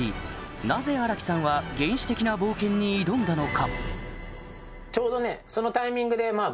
なぜ荒木さんは原始的な冒険に挑んだのか？